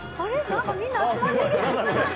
何かみんな集まってきた。